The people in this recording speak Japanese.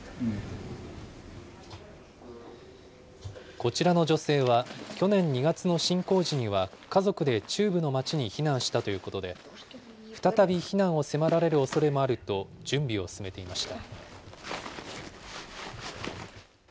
こちらの女性は、去年２月の侵攻時には家族で中部の町に避難したということで、再び避難を迫られるおそれもあると、準備を進めていました。